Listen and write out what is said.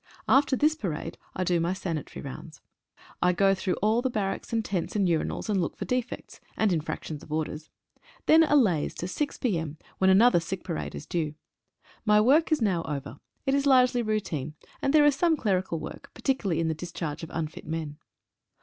After this parade I do my sanitary rounds. I go through all the bar racks and tents and urinals, and look for defects, and 2 INITIAL DIFFICULTIES'. infractions of orders. Then a laze to 6 p.m., when ar Jther sick parade is due. My work is now over; it Is largely routine, and there is some clerical work, particularrjvmi the discharge of unfit men.